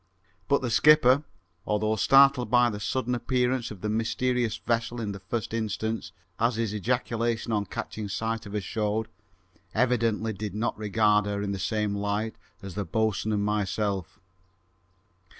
But the skipper, although startled by the sudden appearance of the mysterious vessel in the first instance, as his ejaculation on catching sight of her showed, evidently did not regard her in the same light as the boatswain and myself.